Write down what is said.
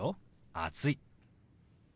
「暑い」。